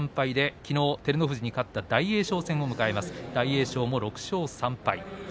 きのう照ノ富士に勝った大栄翔戦を迎えます。